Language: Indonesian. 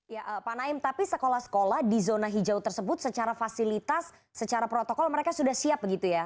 ya pak naim tapi sekolah sekolah di zona hijau tersebut secara fasilitas secara protokol mereka sudah siap begitu ya